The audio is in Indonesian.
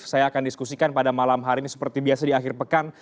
saya akan diskusikan pada malam hari ini seperti biasa di akhir pekan